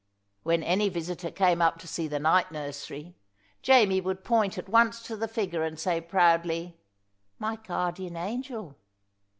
When any visitor came up to see the night nursery, Jamie would point at once to the figure and say proudly, "My guardian angel."